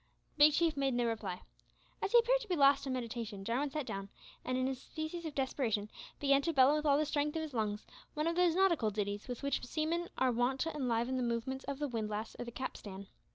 Big Chief made no reply. As he appeared to be lost in meditation, Jarwin sat down, and in a species of desperation, began to bellow with all the strength of his lungs one of those nautical ditties with which seamen are wont to enliven the movements of the windlass or the capstan.